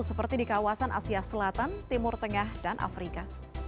seperti di kawasan asia selatan timur tengah dan afrika